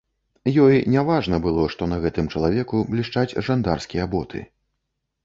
Ёй не важна было, што на гэтым чалавеку блішчаць жандарскія боты.